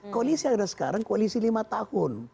koalisi yang ada sekarang koalisi lima tahun